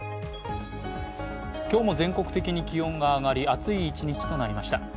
今日も全国的に気温が上がり暑い一日となりました。